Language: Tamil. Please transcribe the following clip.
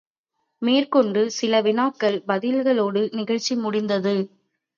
மேற்கொண்டு சில வினாக்கள் பதில்களோடு நிகழ்ச்சி முடிந்தது.